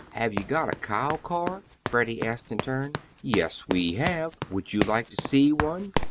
"Have you got a cow car?" Freddie asked in turn. "Yes, we have. Would you like to see one?"